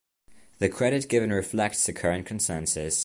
The credit given reflects the current consensus.